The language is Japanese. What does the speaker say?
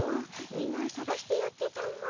みなさがしてやってたも。